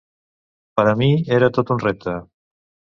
Per a mi era tot un repte.